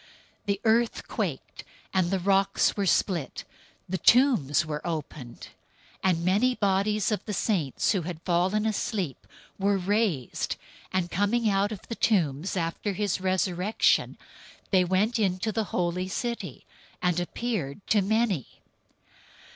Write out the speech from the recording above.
The earth quaked and the rocks were split. 027:052 The tombs were opened, and many bodies of the saints who had fallen asleep were raised; 027:053 and coming out of the tombs after his resurrection, they entered into the holy city and appeared to many.